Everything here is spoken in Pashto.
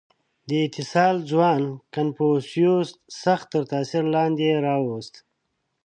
• دې اتصال ځوان کنفوسیوس سخت تر تأثیر لاندې راوست.